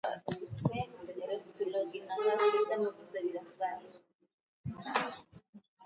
Dbeibah ambaye amekataa kukabidhi madaraka kwa Fathi Bashagha, waziri wa zamani wa mambo ya ndani aliyetajwa na bunge kama waziri mkuu